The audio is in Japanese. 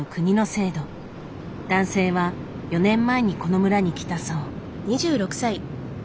男性は４年前にこの村に来たそう。